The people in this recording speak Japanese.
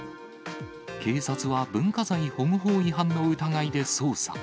警察は文化財保護法違反の疑いで捜査。